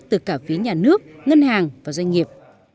từ cả phía nhà nước ngân hàng và doanh nghiệp